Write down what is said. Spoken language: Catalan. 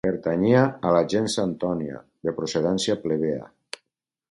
Pertanyia a la Gens Antònia, de procedència plebea.